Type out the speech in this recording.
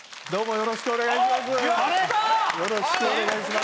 よろしくお願いします。